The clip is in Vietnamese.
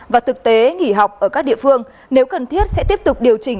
và thực tế nghỉ học ở các địa phương nếu cần thiết sẽ tiếp tục điều chỉnh